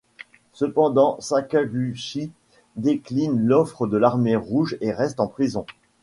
Cependant, Sakaguchi décline l'offre de l'Armée rouge et reste en prison.